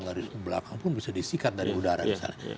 garis ke belakang pun bisa disikat dari udara misalnya